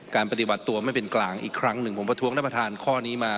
ปฏิบัติตัวไม่เป็นกลางอีกครั้งหนึ่งผมประท้วงท่านประธานข้อนี้มา